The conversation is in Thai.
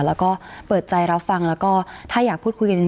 แล้วก็เปิดใจรับฟังแล้วก็